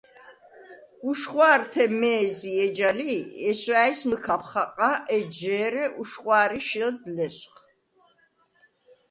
უშხვა̄რთე მე̄ზი ეჯა ლი, ჲესვა̄̈ჲს მჷქაფ ხაყა, ეჯჟ’ ე̄რე უშხვა̄რი შელდ ლესვხ.